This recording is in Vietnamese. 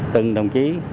từng đồng chí